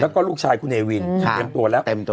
แล้วก็ลูกชายคุณเนวินเตรียมตัวแล้ว